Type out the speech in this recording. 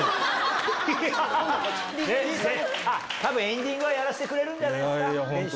エンディングはやらせてくれるんじゃないですか。